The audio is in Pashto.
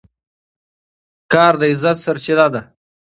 کار د عزت سرچینه ده.